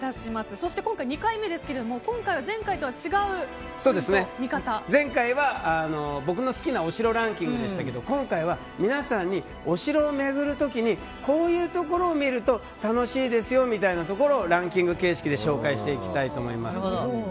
そして、今回２回目ですが前回とは違った前回は僕の好きなお城ランキングでしたが今回は皆さんにお城を巡る時にこういうところを見ると楽しいですよみたいなところをランキング形式で紹介したいと思います。